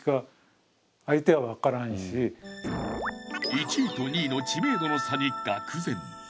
１位と２位の知名度の差にがく然。